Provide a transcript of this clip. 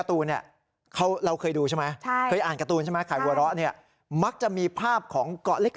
ต้นหนึ่ง